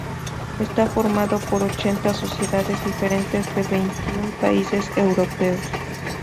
Está formada por ochenta sociedades diferentes de veintiún países europeos.